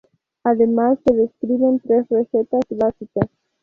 Además, se describen tres recetas básicas.